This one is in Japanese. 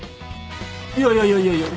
いやいやいやいや。